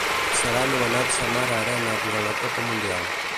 Serà anomenat Samara Arena durant la Copa Mundial.